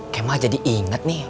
kemah jadi inget nih